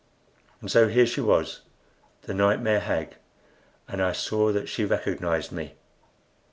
And so here she was, the nightmare hag, and I saw that she recognized me.